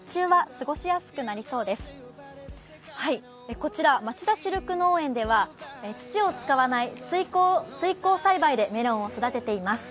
こちら、まちだシルク農園では、土を使わない水耕栽培でメロンを育てています。